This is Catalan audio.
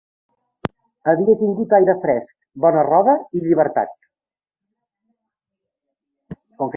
Havia tingut aire fresc, bona roba i llibertat.